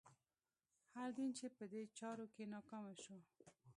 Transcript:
هر دین چې په دې چارو کې ناکامه شو.